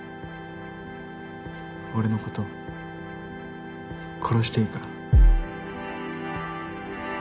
俺のこと殺していいから。